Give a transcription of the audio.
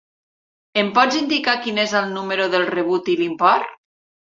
Em pots indicar quin és el número del rebut i l'import?